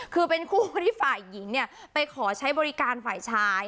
คือเป็นคู่ที่ฝ่ายหญิงไปขอใช้บริการฝ่ายชาย